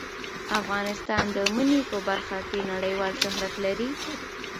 افغانستان د منی په برخه کې نړیوال شهرت لري.